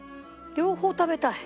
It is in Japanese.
両方食べたい。